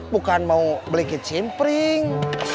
bukan mau beli ccimpring